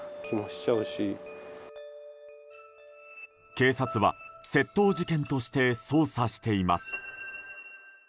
警察は窃盗事件として捜査しています。